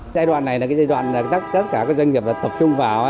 giai đoạn này là giai đoạn tất cả doanh nghiệp tập trung vào